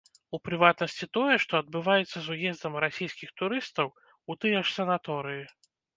У прыватнасці тое, што адбываецца з уездам расійскіх турыстаў у тыя ж санаторыі.